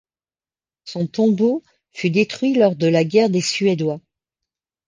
Son tombeau fut détruit lors de la guerre des Suédois.